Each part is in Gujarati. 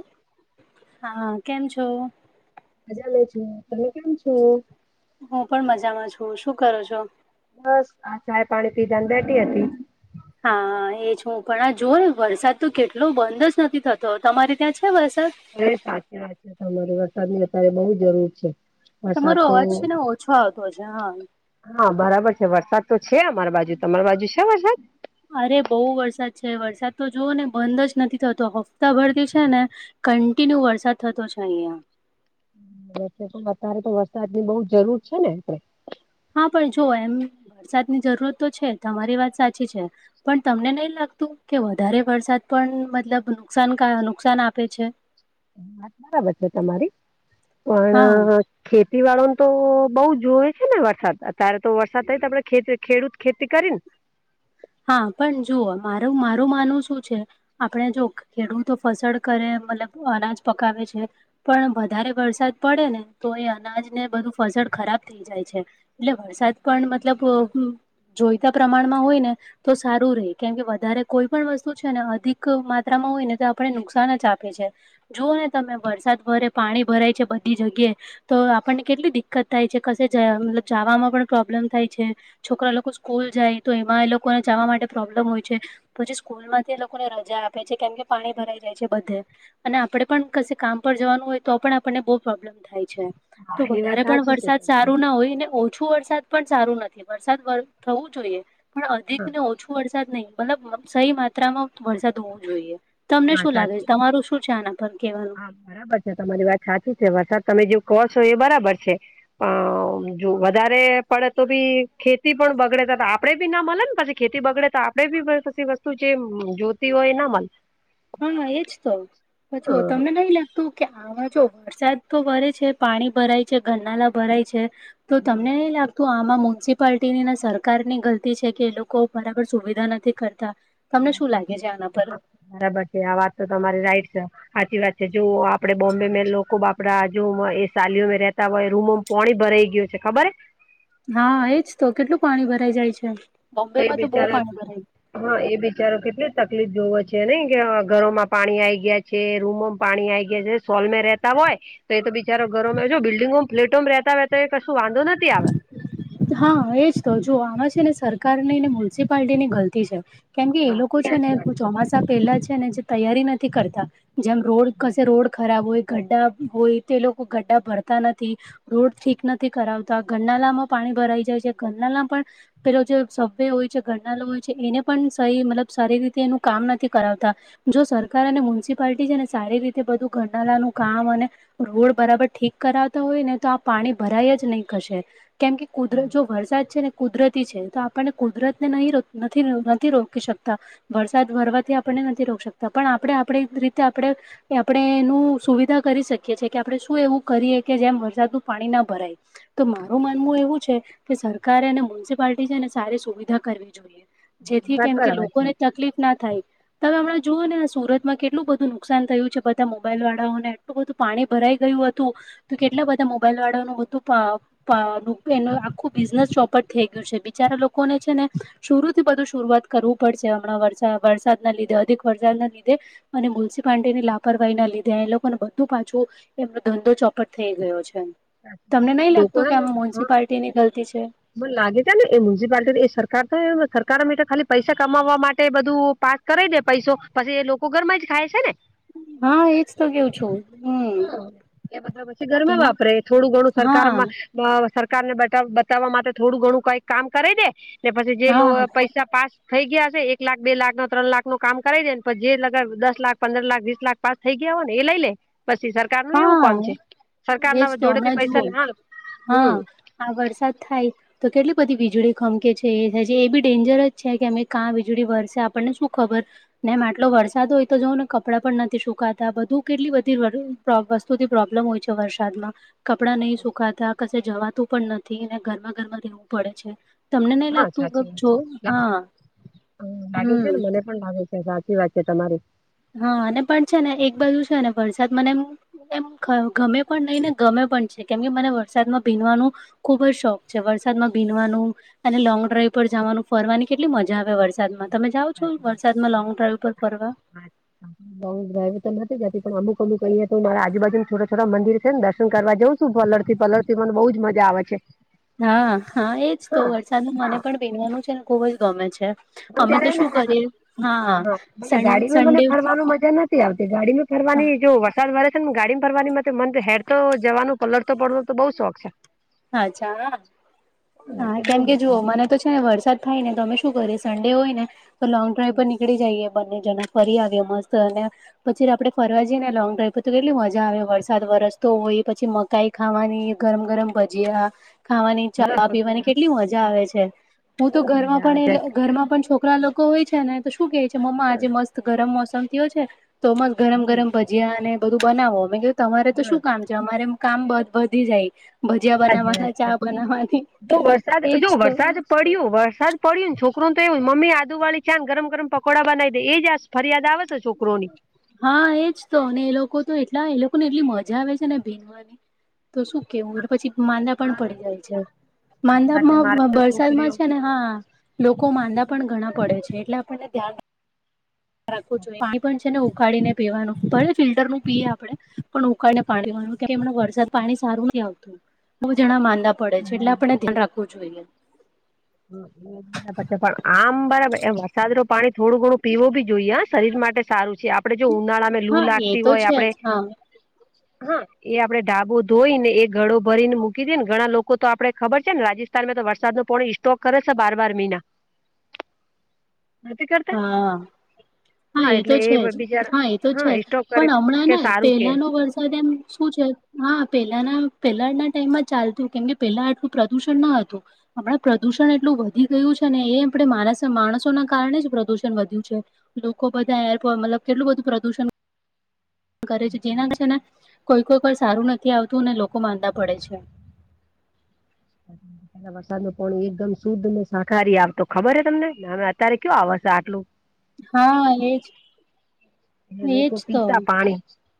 [inaudible] હા, કેમ છો? મજામાં છું, તમે કેમ છો? હું પણ મજામાં છું, શું કરો છો? બસ, આ ચાય પાણી પીધા ને બેઠી હતી. હા. એજું પણ, આ જો વરસાદ તો કેટલો બંધ જ નથી થતો તમારી ત્યાં છે વરસાદ? એ સાચી વાત છે, તમારે વરસાદની અત્યારે બહુ જરૂર છે. વરસાદ તમારો તો અવાજ છે, ને ઓછો આવતો છે, હા. હા, બરાબર છે, વરસાદ તો છે, અમારા બાજુ તમારી બાજુ છે, વરસાદ? અરે, બહુ વરસાદ છે, વરસાદ તો જોવુને બંધ જ નથી થતો હપ્તા ભરતી છે ને કન્ટિન્યુ વરસાદ થતો છે, અહીંયા. તો અત્યારે તો વરસાદ ની બહું જરૂર છે, ને આપે. હા, પણ જોવો એમ વરસાદની જરૂરત તો છે, તમારી વાત સાચી છે. પણ, તમને નહી લાગતું કે, વધારે વરસાદ પણ, મતલબ નુકસાન નુકસાન આપે છે. સાચી [unintelligible] તમારી હા પણ ખેતી વાળોને તો બહું જોવે છે, ને વરસાદ અત્યારે તો વરસાદ થાય તો આપડે ખેડૂત ખેતી કરીને. હા, પણ જુઓ માર મારું માનવું શું છે. આપણે જો ખેડૂતો ફસડ કરે, મતલબ અનાજ પકાવે છે. પણ વધારે વરસાદ પડેને તો એ અનાજને બધું. ફસળ ખરાબ થઈ જાય છે, એટલે વરસાદ પણ મતલબ જોઈતા પ્રમાણમાં હોય ને તો સારું રે કેમ કે, વધારે કોઈ પણ વસ્તુ છે, ને અધિક માત્રામાં હોયને તો આપને નુકસાન જ આપે છે. જુઓને તમે વરસાદ વરે પાણી ભરાય છે, બધી જગ્યાએ તો આપણને કેટલી દિક્કત થાય છે, કશે મતલબ જવામાં પણ પ્રોબ્લેમ થાય છે. છોકરા લોકો સ્કૂલ જાય, તો એમાં એ લોકોને જવા માટે પ્રોબ્લેમ હોય છે. પછી સ્કૂલમાંથી લોકોને રજા આપે છે, કેમ કે પાણી ભરાઈ જાય છે, બધે. અને આપડે પણ કશે કામપર જવાનું હોય, તો પણ આપણને બહુ પ્રોબ્લેમ થાય છે. હા તો એ વાત વધારે પણ સાચી છે વરસાદ તમારી સારું ના હોય, ને ઓછું વરસાદ પણ સારું નથી વરસાદ થવું જોઈએ પણ અધિક હા ને ઓછું વરસાદ નહીં, મતલબ સહી માત્રામાં વરસાદ હોવો જોઈએ. તમને હા શું લાગે સાચી છે, તમારું શું છે, આના પર કેવાનું? હા બરાબર છે તમારી વાત સાચી છે, વરસાદ તમે જે કહો છો, એ બરાબર છે. અ જો વધારે પડે તો બી ખેતી પણ બગડે, આપડે બી ના મળે ને પછી ખેતી બગડે તો આપડે બી [unintelligible] વસ્તુ જે જોતી હોય, ના મળે. હા, એજ તો પાછું હા, તમને નહીં લાગતું કે આમાં જો વરસાદ તો વરે છે, પાણી ભરાય છે, ઘરનાલા ભરાય છે. તો, તમને નહીં લાગ તો આમાં મ્યુનિસિપાલટીનીને સરકારની ગલતી છે કે એ લોકો બરાબર સુવિધા નથી કરતાં. એ તમને વાત શું લાગે સાચી છે આના પર? હા, બરાબર છે આ વાત તો તમારી રાઈટ છે હાચી જ વાત. જો આપડે બોમ્બે મે લોકો આપડા જો એ શાલીઓ મે રહેતા હોય રૂમોમ પોણી ભરાઈ ગયું છે ખબરે હે? હા, એજ તો કેટલું પાણી ભરાઈ જાય છે. તોય બિચારા પાણી ભરાય હા એ બિચારો કેટલી તકલીફ જોવે છે નહીં કે હ ઘરોમાં પાણી આઈ ગયાં છે રૂમોમ પાણી આઈ ગયા છે સોલમે રેતા હોય તો એ બી ચારો ઘરોમે જો બિલ્ડિંગોમ ફ્લેટોમ રહેતા હોય તોએ કશું વાંધો નથી આવે. હા એજ તો જો આમાં છે ને સરકારનીને મ્યુનિસિપાલિટીની ગલતી છે. કેમ કે એ હા લોકો છે ને સાચી વાત છે ચોમાસા પહેલા છે ને જે તૈયારી નથી કરતાં. જેમ રોડ કસે રોડ ખરાબ હોય, ગઠ્ઠા હોય તે લોકો ગઠ્ઠા ભરતા નથી રોડ ઠીક નથી કરાવ તા ગરનાલામાં પાણી ભરાઈ જાય છે ગરનાલા પણ પેલો જે સભ્ય હોય છે ઘરનાલો હોય છે એને પણ સહી મતલબ સારી રીતે એનું કામ નથી કરાવતાં. જો સરકાર અને મ્યુનિસિપાલિટી છે ને સારી રીતે બધું ગરનાલાનું કામ અને રોડ બરાબર ઠીક કરાવતાં હોય ને તો આ પાણી ભરાય જ નહીં. કશે કેમ કે કુદરત જો વરસાદ છે ને કુદરતી છે તો આપણને કુદરતને નહીં નથી નથી રોકી શકતાં. વરસાદ વરવાથી આપણને નથી રોકી શકતા પણ આપણે આપણી રીતે આપણે કે આપણે એનું સુવિધા કરી શકીએ છે કે આપણે શું એવું કરીએ કે જેમ વરસાદનું પાણી ન ભરાય. તો મારું માનવું એવું છે કે સરકારે અને મ્યુનિસિપાલટી છે ને સારી સુવિધા કરવી જોઈએ. જેથી વાત કેમ કે બરાબર છે લોકોને તકલીફ ના થાય. તમે હમણા જુઓને આ સુરતમાં કેટલું બધું નુકસાન થયું છે બધા મોબાઈલવાળાઓને એટલું બધું. પાણી ભરાઈ ગયું હતું તો કેટલા બધા મોબાઈલવાળાઓનું બધું પ પ નુ એનું આખું બિઝનેસ ચોપટ થઈ ગયું છે બિચારા લોકોને છે ને શુરૂ થી બધું શરૂઆત કરવું પડશે હમણાં વર વરસાદનાં લીધે અધિક વરસાદનાં લીધે. અને મ્યુન્સિપાર્ટીની લાપરવાહીના લીધે એ લોકોને બધું પાછું એમનો ધંધો ચોપટ થઈ ગયો છે. લો તો કેમ મ્યુિસિપાલિટીની ગલતી છે. મને લાગે છે ને એ મ્યુનિસિપાલિટી એ સરકાર તો સરકાર ખાલી પૈસા કમાવા માટે બધું પા સ કરાઈ દે પૈસો પછી એ લોકો ઘરમાં જ ખાય છે ને. હા એજ તો કેઉ છું. હમ હ એ બધાં પછી ઘરમાં કેમ વાપરે થોડું ઘણું હા સરકારમાં અ સરકારને બતાવ બતાવવા માટે થોડું ઘણું કંઈક કામ કરાઈ દે. ને પછી જે લો હા પૈસા પાસ થઈ ગયા હશે એક લાખ, બે લાખનું, ત્રણ લાખનું કામ કરાઈ દેને જે લગાર દસ લાખ, પંદર લાખ, વીસ લાખ પાસ થઈ ગયા હોયને એ લઈ લે. પછી સરકારનું એવું હા કામ છે એજ સરકારના તો જોડેથી હમણાં પૈસા જુઓ લેવાન હા હમ્મ. આ વરસાદ થાય. તો કેટલી બધી વીજળી ખમકે છે એ બી ડેન્જર જ છે કે અમે ક્યાં વીજળી વરસે, આપણને શું ખબર? ને આટલો વરસાદ હોય તો જોવોને કપડાં પણ નથી સુકાતાં બધું કેટલી બધીવાર પ્રો વસ્તુથી પ્રોબ્લેમ હોય છે વરસાદમાં કપડાં નહીં સુકાતા, કશે જવાતું પણ નથી અને ઘરમાં ઘરમાં રહેવું પડે છે. તમને નઈ હા લાગતું સાચી વાત છો હા છે લાગે છે હમ્મ. ને મને પણ લાગે છે સાચી વાત છે તમારી. હા અને પણ છે ને એક બાજુ છે ને વરસાદ મને એમ એમ ગમે પણ નઈને ગમે પણ છે કેમ કે મને વરસાદમાં ભીનવાનું ખુબ જ શોખ છે વરસાદમાં ભીનવાનુ અને લોંગ ડ્રાઈવ પર જવાનું ફરવાની કેટલી મજા આવે વરસાદમા તમે જાઓ છો સાચી વરસાદમાં વાત લોંગ ડ્રાઈઇવ પર ફરવા બઉ બહુ હતી જતી પણ અમુક અમુક અહીંયા મારા આજુબાજુને છોટા છોટા મંદિર છે દર્શન કરવા જવ શું પલળ તી પલળ તી મને બહુજ મજા આવે છે. હા હા એજ તો વરસાદનું મને પણ પીનવાનું છેને ખુબ જ ગમે છે. ત અમે તો શું કરીએ હા સન ગાડીમાં મને સન્ડે ફરવાનું મજા નથી. આવતી ગાડી માં હા ફરવાની જો વરસાદ વરે છે ને ગાડીમાં ફરવાની મ મન હેર તો જવાનુ કલર તો પડવા તો બઉુ શોખ છે. અચ્છાા હા એટલે બઉ કેમ કે જુઓ મજા મને તો વરસાદ થાય ને તમે શું કરી સંડે હોય ને તો લોંગ ડ્રાઈવ પર નીકળી જઈએ બંને જણા ફરી આવ્યો મસ્ત અને પછી આપડે ફરવા જઈએ ને લોંગ ડ્રાઈવ પર તો કેટલી મજા આવે વરસાદ વરસતો હોય પછી મ કઈ ખાવાની ગરમ ગરમ ભજીયા ખાવાની આવે હા ચા પીવાની પકોડા કેટલી મજા આવે છે. હું તો બઉ જ ઘરમાં મજા આવે છે પણ એ ઘરમાં પણ છોકરા લોકો હોય છે ને તો શું કે છે, મમ્મા આજે મસ્ત ગરમ મોસમ થથીયો છે તો મસ ગરમ ગરમ ભજીયા અનેને બધું બનાવો મે તમારે તો હા શું કામ અમારે કામ વધી જાય. ભજિયા સાચી બનાવવાના વાત ચા છે બનાવવાની એજ તો પડ્યું વરસાદ પડ્યું ને છોકરું તો એું મમ્મી આદુવાળી છને ગરમ ગરમ પકોડા બનાવી દે એ જ ફરિયાદ આવે છે છોકરોની હા એજ તો અને એ લોકો તો એટલા એ લોકો ને એટલી મજા આવે છે ને ભીનવાની તો શું કેવું પછી માંદા પણ મારે પડી જાય છે. સાચી વાત છે મારે માંદામાં તો વરસાદમાં છોકરીઓ છે ને હા લોકો માંદા પણ ઘણા પડે છે એટલે આપણને ધ્યાન રાખું પાણી પણ છે ને ઉકાળીને પીવાનું પણને ફિલ્ટરનુંું પીએ આપડે પણ ઉકાળને પાણીવાનું ત એમ વરસાદ પાણી સારું નહી આવતું બુ જણા માંદા પડે છે એટલે આપણે ધ્યાન રાખવું જોઈએ. હમ હ પણ આમ બરાબર વરસાદ ન પાણી થોડું ઘણું પીવું બી જોઈએ શરીર માટે સારું છે આપ આપડે જો ઉનાળામાં લુ હા એ લાગતી તો હોય છે આપડે જ હા હા એ આપડે ાબો ધોઈ ને એ ગળો ભરીને મૂકી દેએ ને ઘણા લોકો તો આપડે ખબર છેને, રાજસ્થાન માં તો વરસાદ નો પણ ઈ તો કર છ હ બાર બાર મિના નથી કરતા હા હા એ તો એટલે છે જ બિચારા હા એ તો છે જ સ્ટોક કરે પણ હમણાં કે ને સારું કે પહેલાનો વરસાદ એમ શું છે. હા પહેલાના પેલાના ટાઈમમાં ચાલતું કેમકે પહેલા આટલું પ્રદુષણ ન હતુ. આપણા પ્રદુષણ એટલું વધી ગયું છે ને એ આપણે માણસ માણસોના કારણે જ પ્રદુષણ વધ્યું છે. લોકો બધા એરપ મતલબ કેટલું બધું પ્રદુષણ કરે છે જેનાશે ને કોઈ કોઈ પણર સારું નથી આવતું અનેને લોકો માંદા પડે છે. હા વરસાદ ન પણણી એકદમ શુદ્ધ ને શાહારી આવ ખબર હ તમને અત્યારે કયો આવર્શે આટલુ હા એજ એજ લોકો તો પીતા પાણી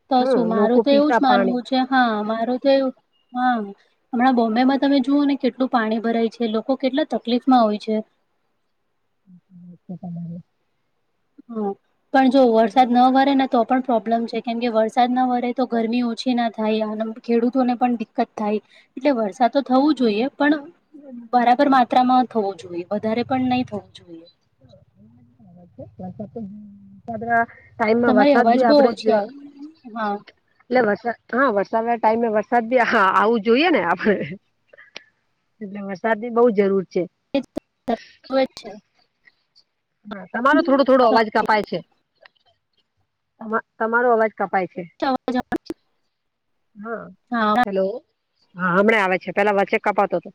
તો હમ શું મારું લોકો તો એવું જ પીતા પાણી માનવું છે. હા મારું તો એવું હા હમણાંોમ્બેમાં તમે જુઓ ને કેટલું પાણી ભરાય છે લોકો કેટલા તકલીફમાં હોય છે. તમા હા પણ જો વરસાદ ન વરે ને તો પણ પ્રોબ્લેમ છે કેમ કે વરસાદના વરે તો ગરમી ઓછી ના થાય આ ખેડૂતોને પણ દિક્કત થાય. એટલે વરસાદ તો થવું જોઈએ પણ બરાબર માત્રામાં થવું જોઈએ વધારે પણ નહી થવું જોઈએ. છે ત સાથે ટાઈમમાં તમારી વરસાદ અવાજ બી બહુ આપડે જ ઓછી આવે હા એટલે વરસાદ હા વરસાદ ના ટાઈમે વરસાદ બી હા આવું જોઈએ ને આપડ એટલે વરસાદ ની બહુ જરૂર છે. છે હ તમારો થોડો થોડો અવાજ કપાય છે. તમારો અવાજ કપાય છે. અવાજ આવે હા હલો! હા હમણાં આવે છે. પેલા વચ્ચે કપાતોું હતો,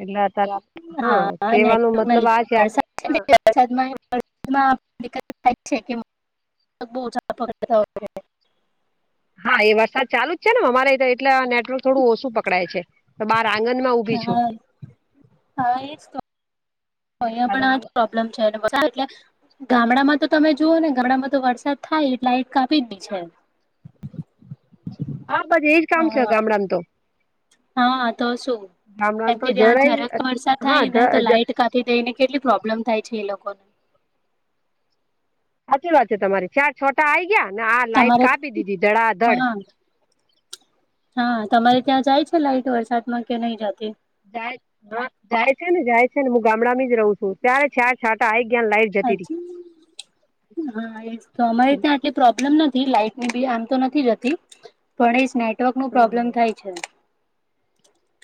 એટલે અત્યારે હા કેવાનો નેટવર્ક ના મતલબ આ લીધે છે આપડે વરસાદ છે ને હા એટલે વરસાદમાં વરસાદમાં થાય છે કે બાર પકડ હા એ વરસાદ ચાલુ જ છે ને અમારે એટલે નેટવર્ક થોડું ઓછું પકડાય છે. તો બાર આંગણ માં હા હા એજ તો અહીયા વરસાદ પણ આજ આવે પ્રોબ્લેમ છે એટલે બધા ગામડામાં તો તમે જુઓ ને ગામડામાં તો વરસાદ થાય લાઇટ કાપી જઈ છે. હા બસ એજ કામ છે હા ગામડામાં તો હા તો શું રામ રામ તો કેમકે ત્યાં ઝડક જરાય વરસાદ હા થાય ને તો ધ જ લાઈટ કાપ તે થઈને કેટલી પ્રોબ્લેમ થાય છે એ લોકોને સાચી વાત છે તમારી. ચાર છોટા આ આવી ગયા ને આ લાઈટ તમારે કાપી દીધી ધડાધડ. હા હા તમારે ત્યાં જાય છે, લાઈટ વરસાદમાં કે નહી જતી? જાય જાય છે ને જાય છેને હું ગામડા મિજ જ રહું છું ત્યારે છ છાટા આ જ્યાં લાઈ હાજી હા એ તો અમારે હમ ત્યાં આટલી પ્રોબ્લેમ નથી લાઈટની બી આમ તો નથી જતી ભણેશ નેટવર્ક ન પ્રોબ્લેમ હમ થાય છે.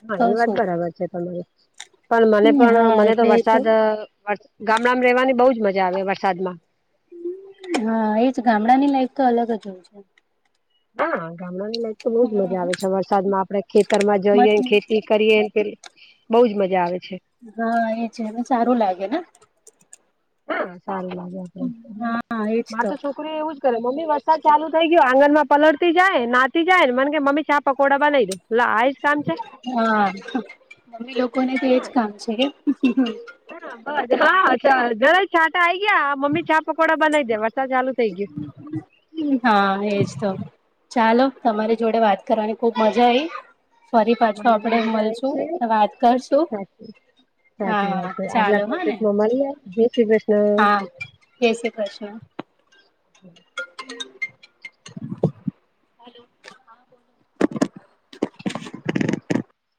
હા તો એ વાત શું બરાબર છે તમારે. પણ મને પણ હા મને તો એટલે વરસાદ ગામડામાં ર રહેવાની બહુજ મજા આવે વરસાદમાં હા એજ ગામડા ની લાઈફ તો અલગ જ હોય છે. હા ગામડા ની લાયક તો બહુજ મજા હમ આવે છે વરસાદમાં આપડે ખેતર માં જઈએ મત ખેતી કરીએને પે બઉજ મજા આવે છે. હા એ છે એને સારું લાગે ને હા સારું લાગે આપડે એટ હા એજ માર તો છો છોકરી એવું જ કરે મમ્મી વરસાદ ચાલુ થઈ ગયો આંગણ માં પલળતી જાય નાતી જાય ને મને કે મમ્મ ચા પકોડા બનાવી દે. હા લોકોને તો એજ કામ છે. કેમ હા જરા છાટા આ આવી ગયા મમ્મી ચા પકોડા બનાવી દે. વરસાદ ચાલુ થઇ ગયો. હા એજ તો ચાલો તમારી જોડે વાત કરવાની ખુબ મજા આઈ ફરી ગયો પાછો મને આપડે પણ મજા આવે મળશું છે વાત કરશું. હા જ હા આગલા ચાલો હા ને ટોપિકમાં મળ. જય શ્રી કૃષ્ણ. હા જય શ્રી કૃષ્ણ. [inaudible] [inaudible]